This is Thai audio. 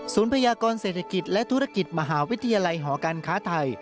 พยากรเศรษฐกิจและธุรกิจมหาวิทยาลัยหอการค้าไทย